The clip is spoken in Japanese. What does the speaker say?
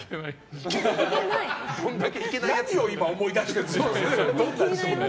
何を今、思い出してるんですか。